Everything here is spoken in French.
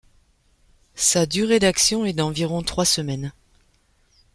Sa durée d'action est d'environ trois semaines.